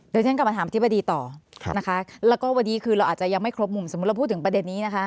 เดี๋ยวฉันก็มาถามที่พะดีต่อและก็พะดีคือเราอาจจะยังไม่ครบมุมสมมุติเราพูดถึงประเด็นนี้นะคะ